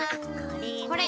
これ。